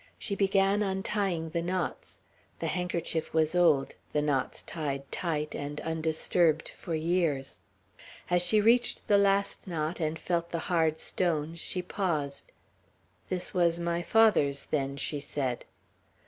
She began untying the knots. The handkerchief was old, the knots tied tight, and undisturbed for years. As she reached the last knot, and felt the hard stones, she paused. "This was my father's, then." she said.